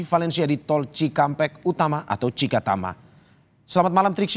valencia di tol cikampek utama atau cikatama selamat malam triksi